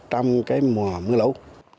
trong cái mùa mưa lũ